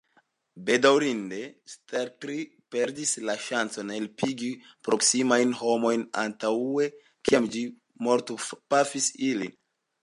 Bedaŭrinde, Stelkri perdis la ŝancon helpigi proksimajn homojn antaŭe kiam ĝi mortpafis ilin.